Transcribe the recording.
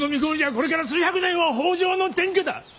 これから数百年は北条の天下だ！